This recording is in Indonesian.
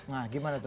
nah gimana tuh